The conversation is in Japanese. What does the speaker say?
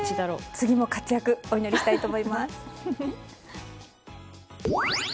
次も活躍お祈りしたいと思います。